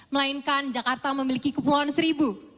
melainkan jakarta memiliki kepulauan seribu